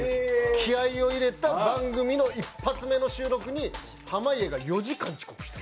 気合を入れた番組の一発目の収録に濱家が４時間遅刻した。